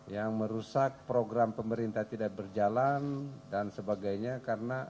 yang merusak program pemerintah tidak berjalan dan sebagainya karena